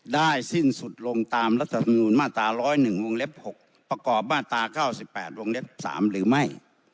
ได้สิ้นสุดลงตามรัฐธรรมนูลมาตราร้อยหนึ่งวงเล็กหกประกอบมาตราเก้าสิบแปดวงเล็กสามหรือไม่